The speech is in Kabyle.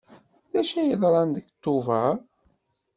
D acu yeḍran deg Tubeṛ?